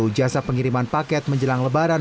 jasa pengiriman paket menjelang lebaran